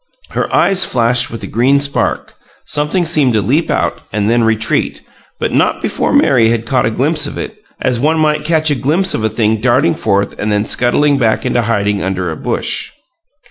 Her eyes flashed with a green spark; something seemed to leap out and then retreat, but not before Mary had caught a glimpse of it, as one might catch a glimpse of a thing darting forth and then scuttling back into hiding under a bush.